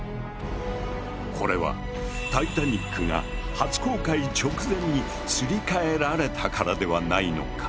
これはタイタニックが初航海直前にすり替えられたからではないのか？